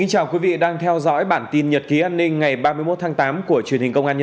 hãy đăng ký kênh để ủng hộ kênh của chúng mình nhé